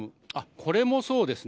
これもそうですね。